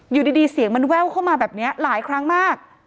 อยู่ดีเสียงมันแว่วเข้ามาแบบนี้หลายครั้งมาก